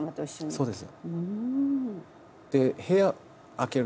そうです。